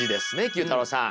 ９太郎さん。